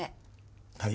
はい。